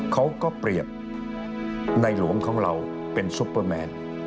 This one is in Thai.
เขาก็เปรียบในหลวงของเราเป็นซุปเปอร์แมน